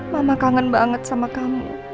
mama kangen banget sama kamu